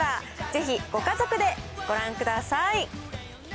ぜひご家族でご覧ください。